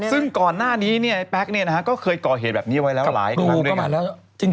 ซึ่งก่อนหน้านี้เนี่ยแป๊กเนี่ยนะฮะก็เคยก่อเหตุแบบนี้ไว้แล้วหลายครั้งด้วย